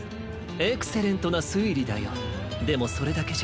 エクセレントなすいりだよ。でもそれだけじゃない。